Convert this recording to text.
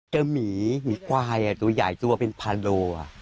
เจ้าหมีกวายตัวใหญ่ตัวเป็นพาโด